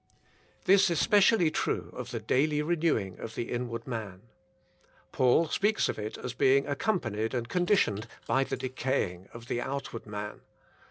This is specially true of the daily renewing of the inward man. Paul speaks of it as being ac companied and conditioned by the decaying of the outward man.